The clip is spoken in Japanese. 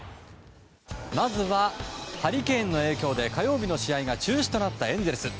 まずは、ハリケーンの影響で火曜日の試合が中止となったエンゼルス。